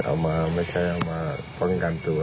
เอามาไม่ใช่เอามาป้องกันตัว